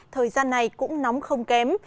thời gian này cũng nóng không kém